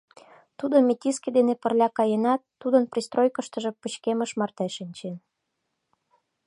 Тудо метиске дене пырля каенат, тудын пристройкыштыжо пычкемыш марте шинчен.